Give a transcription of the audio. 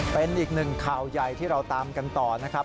เป็นอีกหนึ่งข่าวใหญ่ที่เราตามกันต่อนะครับ